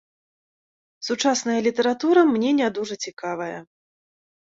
Сучасная літаратура мне не дужа цікавая.